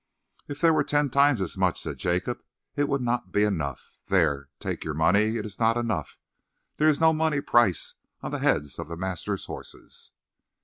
"If there were ten times as much," said Jacob, "it would not be enough. There take your money. It is not enough. There is no money price on the heads of the master's horses."